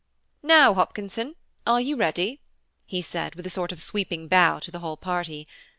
"Now, Hopkinson, are you ready?" he said, with a sort of sweeping bow to the whole party.